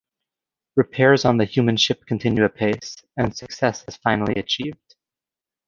Repairs on the human ship continue apace, and success is finally achieved.